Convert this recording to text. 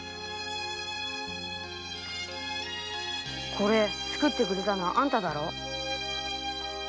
これ作ってくれたのはあんただろ？